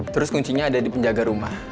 terus kuncinya ada di penjaga rumah